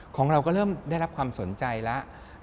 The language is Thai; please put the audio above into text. ของเราก็เริ่มได้รับความสนใจแล้ว